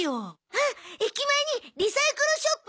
ああ駅前にリサイクルショップ